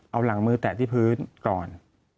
เอาหลังมือแตะที่พื้นก่อน